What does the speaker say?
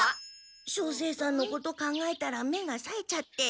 照星さんのこと考えたら目がさえちゃって。